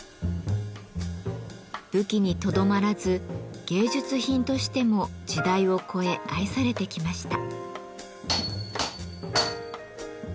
武器にとどまらず芸術品としても時代を超え愛されてきました。